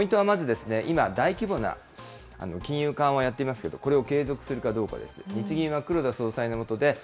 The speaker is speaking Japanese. ポイントはまずですね、今、大規模な金融緩和やっていますけれども、これを継続するかどうかです。